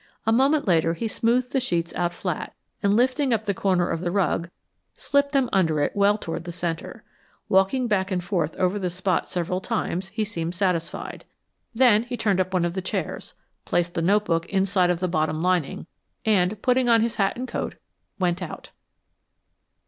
A moment later he smoothed the sheets out flat and lifting up the corner of the rug, slipped them under it well toward the center. Walking back and forth over the spot several times, he seemed satisfied. Then he turned up one of the chairs, placed the notebook inside of the bottom lining, and putting on his hat and coat, went out.